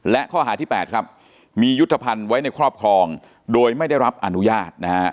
และข้อหาที่๘ครับมียุทธภัณฑ์ไว้ในครอบครองโดยไม่ได้รับอนุญาตนะฮะ